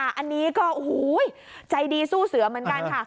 อันนี้ก็โอ้โหใจดีสู้เสือเหมือนกันค่ะ